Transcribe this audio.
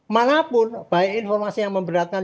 manapun baik informasi yang memberatkan